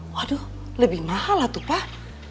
waduh lebih mahal lah tuh pak